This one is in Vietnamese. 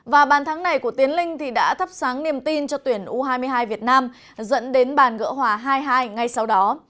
và bàn thắng này của tiến linh đã thắp sáng niềm tin cho tuyển u hai mươi hai việt nam dẫn đến bàn gỡ hòa hai hai ngay sau đó